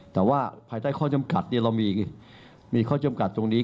แต่ว่าภายใต้ข้อจำกัดเรามีข้อจำกัดตรงนี้